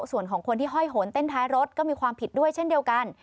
ส่วนของคนที่ห้อยโหนเต้นท้ายรถก็มีความผิดด้วยเช่นเดียวกัน